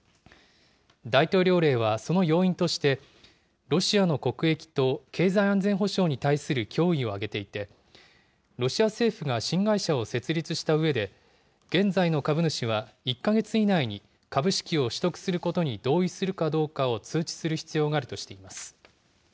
大統領令はその要因として、ロシアの国益と経済安全保障に対する脅威を挙げていて、ロシア政府が新会社を設立したうえで、現在の株主は１か月以内に株式を取得することに同意するかどうかを通知する必要があるとしています。